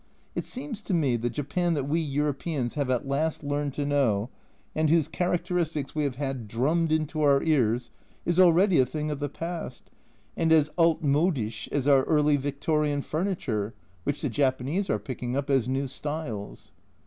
It seems to me the Japan that we Europeans have at last learned to know, and whose characteristics we have (c 128) M 1 62 A Journal from Japan had drummed into our ears, is already a thing of the past, and as altmodisch as our early Victorian furniture, which the Japanese are picking up as "new styles."